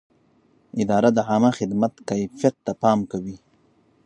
اداره د عامه خدمت کیفیت ته پام کوي.